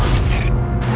aku mau ke rumah